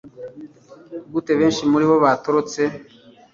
Gute benshi muri bo batorotse